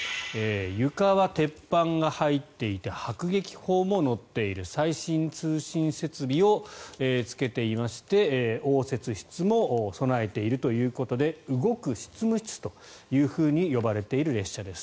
床は鉄板が入っていて迫撃砲も載っている最新通信設備をつけていまして応接室も備えているということで動く執務室というふうに呼ばれている列車です。